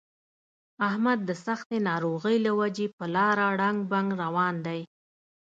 احمد د سختې ناروغۍ له وجې په لاره ړنګ بنګ روان دی.